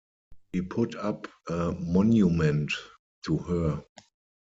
He put up a monument to her.